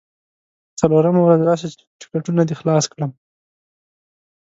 څلورمه ورځ راشه چې ټکونه دې خلاص کړم.